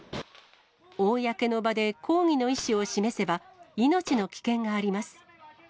公の場で抗議の意思を示せば、命の危険があります。